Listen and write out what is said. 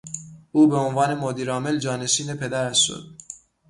او به عنوان مدیر عامل جانشین پدرش شد.